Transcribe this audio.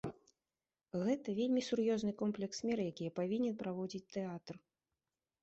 Гэта вельмі сур'ёзны комплекс мер якія павінен праводзіць тэатр.